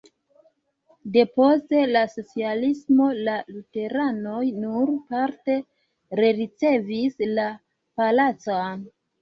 Depost la socialismo la luteranoj nur parte rericevis la palacon.